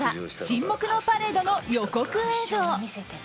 「沈黙のパレード」の予告映像。